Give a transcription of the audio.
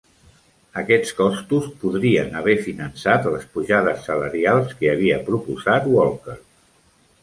Aquests costos podrien haver finançat les pujades salarials que havia proposat Walker.